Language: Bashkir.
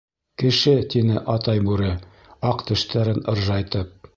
— Кеше, — тине Атай Бүре, аҡ тештәрен ыржайтып.